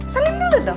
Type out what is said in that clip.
salim dulu dong